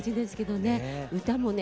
歌もね